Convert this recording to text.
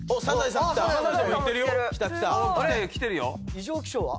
「異常気象」は？